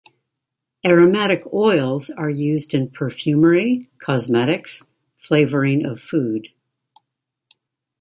Aromatic oils are used in perfumery, cosmetics, flavoring of food.